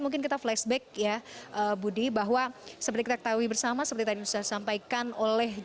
mungkin kita flashback ya budi bahwa seperti kita ketahui bersama seperti tadi sudah disampaikan oleh